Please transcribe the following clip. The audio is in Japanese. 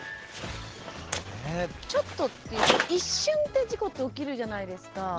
ちょっとっていうその一瞬で事故って起きるじゃないですか。